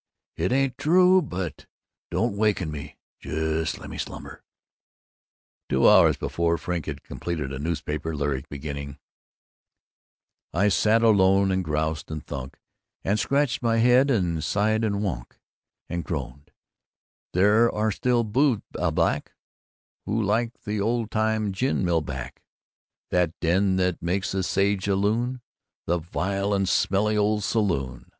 It ain't true, but don't waken me! Jus' lemme slumber!" Two hours before, Frink had completed a newspaper lyric beginning: _I sat alone and groused and thunk, and scratched my head and sighed and wunk, and groaned, "There still are boobs, alack, who'd like the old time gin mill back; that den that makes a sage a loon, the vile and smelly old saloon!"